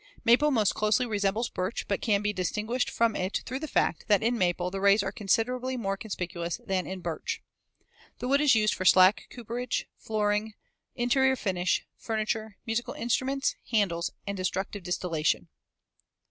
Maple most closely resembles birch, but can be distinguished from it through the fact that in maple the rays are considerably more conspicuous than in birch. The wood is used for slack cooperage, flooring, interior finish, furniture, musical instruments, handles, and destructive distillation.